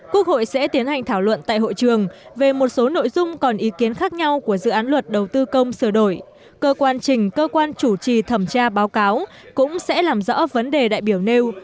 quốc hội sẽ tiến hành thảo luận tại hội trường về một số nội dung còn ý kiến khác nhau của dự án luật đầu tư công sửa đổi cơ quan trình cơ quan chủ trì thẩm tra báo cáo cũng sẽ làm rõ vấn đề đại biểu nêu